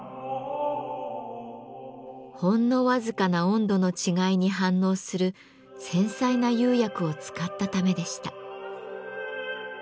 ほんのわずかな温度の違いに反応する繊細な釉薬を使ったためでした。